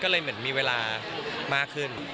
ก็เลยเหมือนมีเวลามากขึ้น